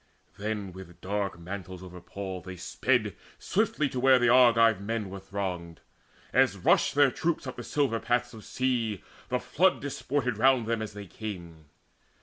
Then with dark mantles overpalled they sped Swiftly to where the Argive men were thronged. As rushed their troop up silver paths of sea, The flood disported round them as they came.